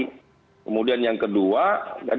kemudian yang kedua